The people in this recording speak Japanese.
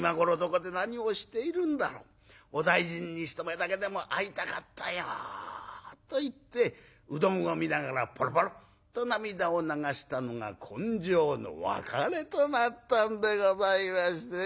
お大尽に一目だけでも会いたかったよ』と言ってうどんを見ながらポロポロッと涙を流したのが今生の別れとなったんでございましてね。